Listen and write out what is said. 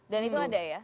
dan itu ada ya